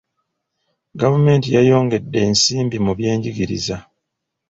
Gavumenti yayongedde ensimbi mu byenjigiriza.